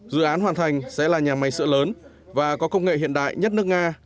dự án hoàn thành sẽ là nhà máy sữa lớn và có công nghệ hiện đại nhất nước nga